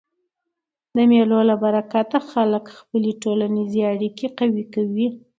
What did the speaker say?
د مېلو له برکته خلک خپلي ټولنیزي اړیکي قوي کوي.